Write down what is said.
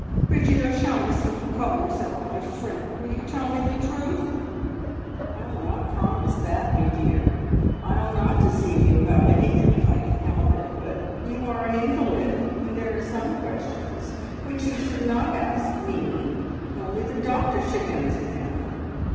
"Bridget O'Shaughnessy, you call yourself my friend. Will you tell me the truth?" "I'll not promise that, me dear. I'll not deceive you about anything if I can help it, but you are an invalid, and there are some questions which you should not ask me. Only the doctor should answer them."